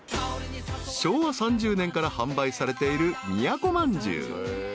［昭和３０年から販売されている都まんじゅう］